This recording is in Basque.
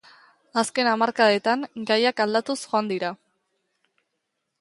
Azken hamarkadetan gaiak aldatuz joan dira.